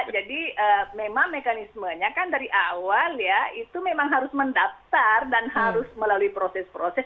jadi memang mekanismenya kan dari awal ya itu memang harus mendaptar dan harus melalui proses proses